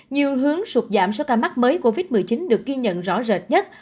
nhiều hướng sụt giảm số ca mắc mới covid một mươi chín được ghi nhận rõ rệt nhất